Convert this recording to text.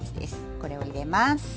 これを入れます。